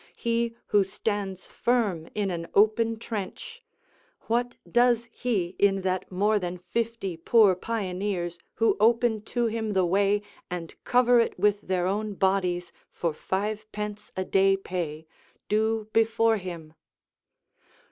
he who stands firm in an open trench, what does he in that more than fifty poor pioneers who open to him the way and cover it with their own bodies for fivepence a day pay, do before him?